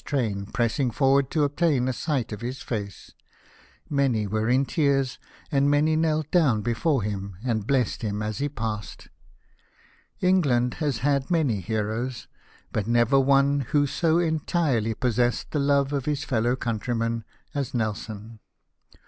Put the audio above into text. train, pressing forward to obtain a sight of his face — many were in tears, and many knelt do^vn before him, and blessed him as he passed. England has had many heroes, but never one who so entirely possessed the love of his fellow countrymen as Nelson.